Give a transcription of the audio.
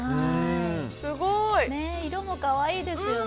色もかわいいですよね。